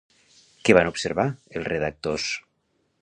Què van observar els redactors?